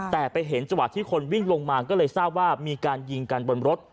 แต่ไปเห็นจังหวะที่คนวิ่งลงมาก็เลยทราบว่ามีการยิงกันบนรถ